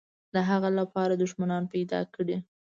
د هغه لپاره دښمنان پیدا کړي.